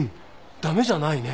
駄目じゃないね。